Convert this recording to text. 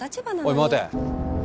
おい待て。